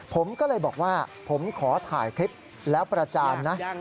ผมก็เลยบอกว่าผมขอถ่ายคลิปแล้วประจานนะ